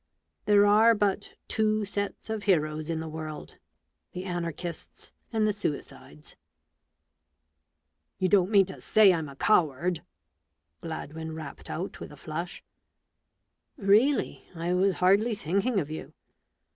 There are but two sets of heroes in the world — the Anarchists and the Suicides !" (t You don't mean to say I'm a coward ?" Gladwin rapped out with a flush, " Really, I was hardly thinking of you.